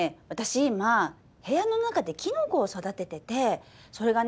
今部屋の中でキノコを育てててそれがね